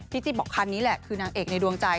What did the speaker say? จิ๊บบอกคันนี้แหละคือนางเอกในดวงใจ